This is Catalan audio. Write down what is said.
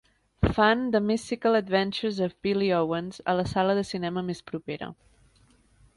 Fan The Mystical Adventures of Billy Owens a la sala de cinema més propera